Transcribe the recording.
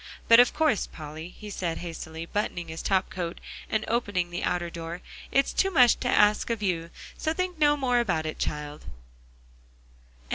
But of course, Polly," he said hastily, buttoning his top coat, and opening the outer door, "it's too much to ask of you; so think no more about it, child."